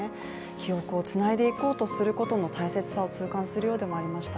記憶をつないでいこうとすることの大切さを痛感するようでもありました。